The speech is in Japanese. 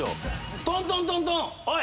トントントントン「おい！」